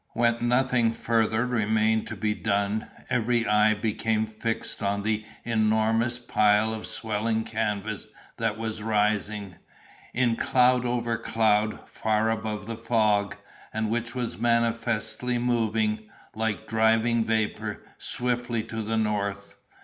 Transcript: When nothing further remained to be done, every eye became fixed on the enormous pile of swelling canvas that was rising, in cloud over cloud, far above the fog, and which was manifestly moving, like driving vapor, swiftly to the north.